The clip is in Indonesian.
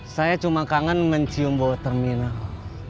saya cuma kangen mencium bau terminal